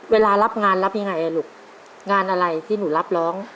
เวลารับงานรับยังไงอ่ะลูกงานอะไรที่หนูรับร้อง